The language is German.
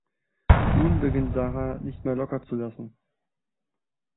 Nun beginnt Sarah nicht mehr locker zu lassen.